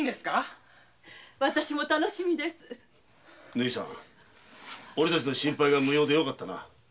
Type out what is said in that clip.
縫さんオレたちの心配が無用でよかったな。